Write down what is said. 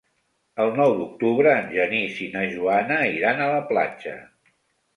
El nou d'octubre en Genís i na Joana iran a la platja.